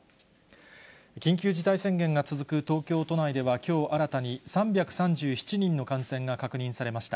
緊急事態宣言が続く東京都内ではきょう新たに３３７人の感染が確認されました。